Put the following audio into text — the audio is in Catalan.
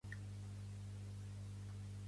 De quina manera ha remarcat, Mas, la seva idea?